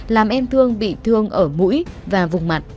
làm em thương bị thương ở mũi và vùng mặt